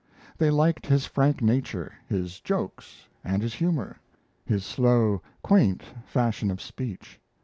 They liked his frank nature, his jokes, and his humor; his slow, quaint fashion of speech.